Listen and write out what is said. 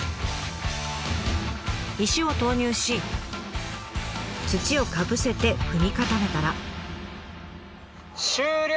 石を投入し土をかぶせて踏み固めたら。